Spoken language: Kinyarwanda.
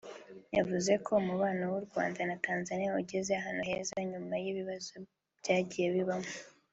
yavuze ko umubano w’u Rwanda na Tanzania ugeze ahantu heza nyuma y’ibibazo byagiye bibamo